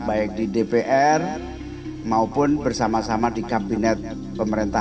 baik di dpr maupun bersama sama di kabinet pemerintah